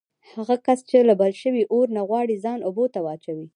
هغه کس چې له بل شوي اور نه غواړي ځان اوبو ته واچوي.